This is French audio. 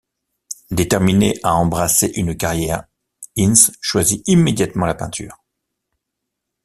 Déterminé à embrasser une carrière, Ince choisit immédiatement la peinture.